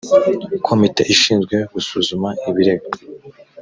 komite ishinzwe gusuzuma ibirego